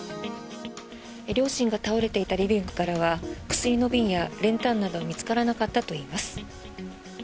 両親が倒れていたリビングからは薬の瓶や練炭などは見つからなかったといいます。